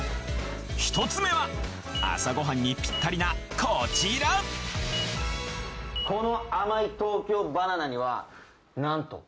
１つ目は朝ごはんにピッタリなこちらこの甘い東京ばな奈には。